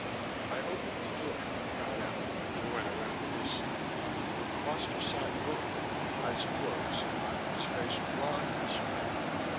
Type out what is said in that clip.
I opened the door and got out and went around to his side. Foster sat limply, eyes closed, his face drawn and strained.